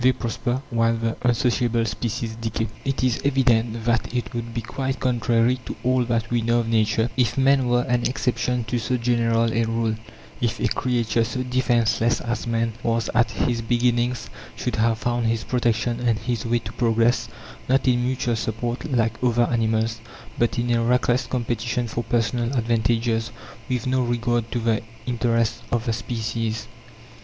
They prosper, while the unsociable species decay. It is evident that it would be quite contrary to all that we know of nature if men were an exception to so general a rule: if a creature so defenceless as man was at his beginnings should have found his protection and his way to progress, not in mutual support, like other animals, but in a reckless competition for personal advantages, with no regard to the interests of the species.